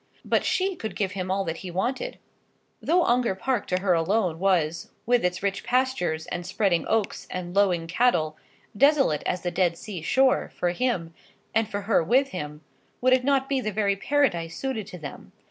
But she could give him all that he wanted. Though Ongar Park to her alone was, with its rich pastures and spreading oaks and lowing cattle, desolate as the Dead Sea shore, for him, and for her with him, would it not be the very paradise suited to them?